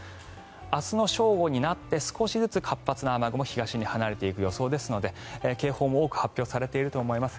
明日の正午になって少しずつ活発な雨雲東に離れていく予想ですので警報も多く発表されていると思います。